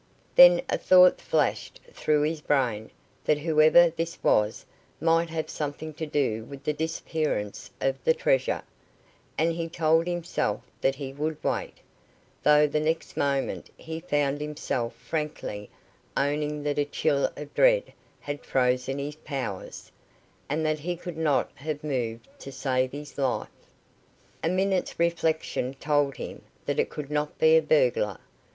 Then a thought flashed through his brain that whoever this was might have something to do with the disappearance of the treasure, and he told himself that he would wait, though the next moment he found himself frankly owning that a chill of dread had frozen his powers, and that he could not have moved to save his life. A minute's reflection told him that it could not be a burglar.